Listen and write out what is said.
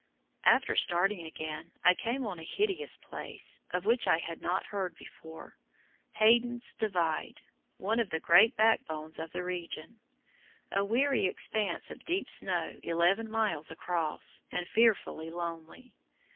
After starting again I came on a hideous place, of which I had not heard before, Hayden's Divide, one of the great back bones of the region, a weary expanse of deep snow eleven miles across, and fearfully lonely.